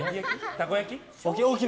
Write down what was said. たこ焼き？